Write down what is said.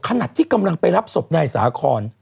ขณะที่กำลังไปรับศพนายสาคอน